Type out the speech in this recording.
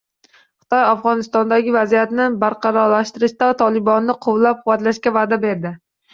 Xitoy Afg‘onistondagi vaziyatni barqarorlashtirishda “Tolibon”ni qo‘llab-quvvatlashga va’da berdi